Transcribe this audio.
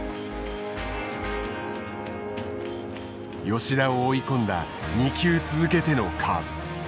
吉田を追い込んだ２球続けてのカーブ。